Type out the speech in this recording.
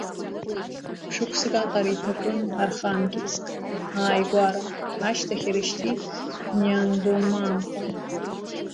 Шықәсык аҟара иҭакын Архангельск ааигәара, ашьҭахь ирышьҭит Ниандоманҟа.